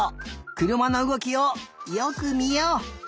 くるまのうごきをよくみよう。